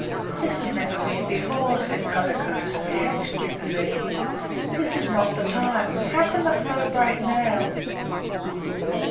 "This has never been before," said Kotuko, staring stupidly. "This is not the time. How can the floe break NOW?"